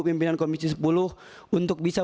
pimpinan komisi sepuluh untuk bisa